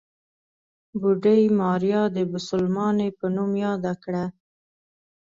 بوډۍ ماريا د بوسلمانې په نوم ياده کړه.